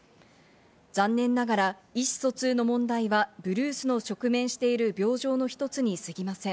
残念ながら、意思疎通の問題はブルースの直面している病状の一つに過ぎません。